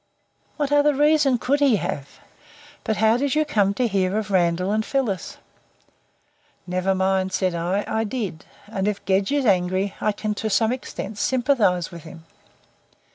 "What other reason could he have? But how did you come to hear of Randall and Phyllis?" "Never mind," said I, "I did. And if Gedge is angry, I can to some extent sympathize with him."